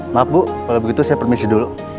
maaf bu kalau begitu saya permisi dulu